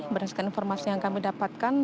berdasarkan informasi yang kami dapatkan